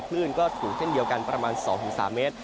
คลื่นก็สูงเช่นเดียวกันประมาณ๒๓เมตร